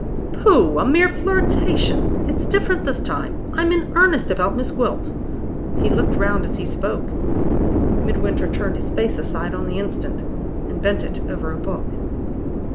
"Pooh! a mere flirtation. It's different this time. I'm in earnest about Miss Gwilt." He looked round as he spoke. Midwinter turned his face aside on the instant, and bent it over a book.